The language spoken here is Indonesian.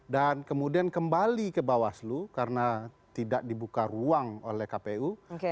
dan kemudian kembali ke bawah selu karena tidak dibuka ruang oleh kpu